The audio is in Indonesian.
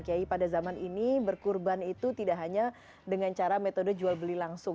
kiai pada zaman ini berkurban itu tidak hanya dengan cara metode jual beli langsung